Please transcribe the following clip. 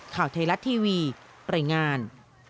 ข่าวไทยรัฐทีวีรายงาน